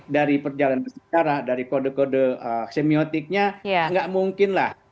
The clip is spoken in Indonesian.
dari perjalanan sejarah dari kode kode semiotiknya nggak mungkin lah